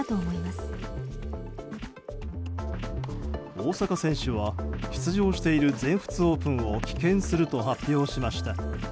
大坂選手は出場している全仏オープンを棄権すると発表しました。